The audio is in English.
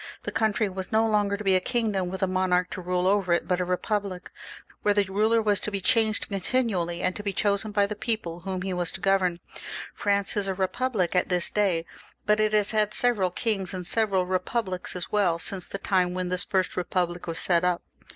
The country was no longer to be a kingdom with a monarch to rule over it, but a republic, where the ruler was to be changed continually, and to be chosen by the people whom he was to govern. France is a republic at this day ; but it has had several kings and several republics as well since the time when this first republic was set up.